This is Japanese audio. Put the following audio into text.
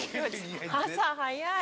朝早い。